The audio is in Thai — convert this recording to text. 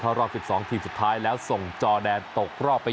เข้ารอบสิบสองทีสุดท้ายแล้วส่งจอแดนตกรอบไป